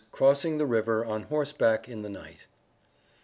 CROSSING THE RIVER ON HORSEBACK IN THE NIGHT.